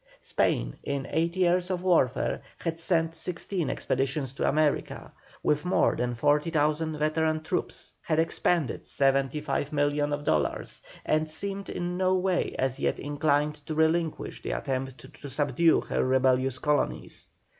Spain in eight years of warfare had sent sixteen expeditions to America, with more than 40,000 veteran troops, had expended seventy five millions of dollars, and seemed in no way as yet inclined to relinquish the attempt to subdue her rebellious colonies.